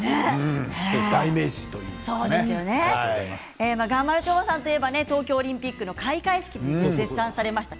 代名詞というね。がまるちょばさんといえば東京オリンピックの開会式で絶賛されました